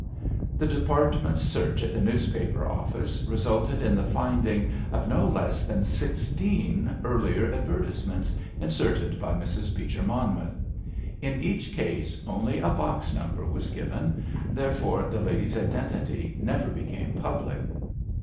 The department's search at the newspaper office resulted in the finding of no less than sixteen earlier advertisements inserted by Mrs. Beecher Monmouth. In each case, only a box number was given, therefore the lady's identity never became public.